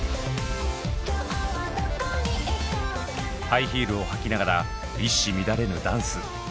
ハイヒールを履きながら一糸乱れぬダンス。